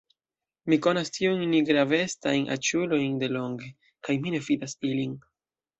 Mi konas tiujn nigravestajn aĉulojn delonge, kaj mi ne fidas ilin.